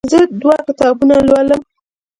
زه دوه کتابونه لولم.